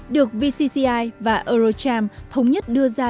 được vcci và eurocharm thống nhất đưa ra